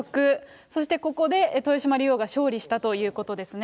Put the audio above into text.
そしてここで豊島竜王が勝利したということですね。